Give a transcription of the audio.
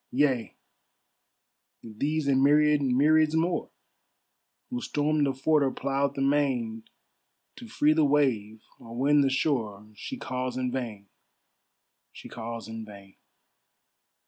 Yea, these and myriad myriads more, Who stormed the fort or ploughed the main, To free the wave or win the shore, She calls in vain, she calls in vain.